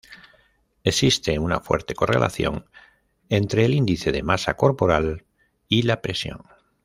Existe una fuerte correlación entre el índice de masa corporal y la presión.